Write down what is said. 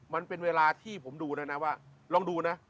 มันเป็นเวลาที่ผมดูนะนะว่าลองดูนะ